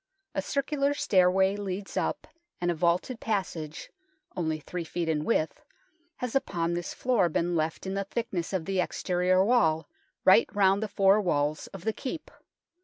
A circular stairway leads up, and a vaulted passage, only 3 ft. in width, has upon this floor been left in the thickness of the exterior wall right round the four walls of the Keep.